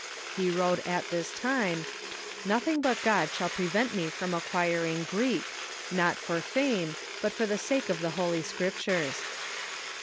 He wrote at this time :" Nothing but God shall prevent ine from acquiring Greek ; not for fame, but for the sake of the Holy Scriptures."